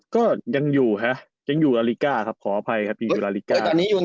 ก็ยังอยู่ฮะยังอยู่อลิก้าครับขออภัยครับยังอยู่ลาลิก้า